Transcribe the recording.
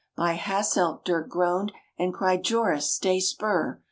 By Hasselt, Dirck groaned; and cried Joris, "Stay spur!